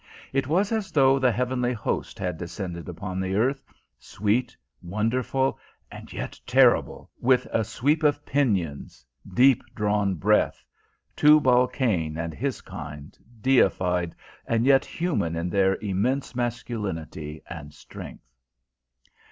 It was as though the Heavenly Host had descended upon the earth, sweet, wonderful, and yet terrible, with a sweep of pinions, deep drawn breath Tubal Cain and his kind, deified and yet human in their immense masculinity and strength.